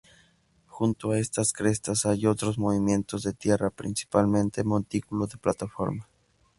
Junto a estas crestas hay otros movimientos de tierra, principalmente montículos de plataformas.